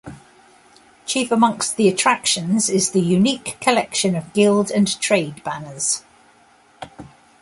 Chief amongst the attractions is the unique collection of Guild and Trade Banners.